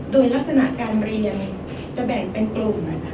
โดยลักษณะการเรียนจะแบ่งเป็นกลุ่ม